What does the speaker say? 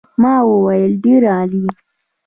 ما وویل ډېر عالي.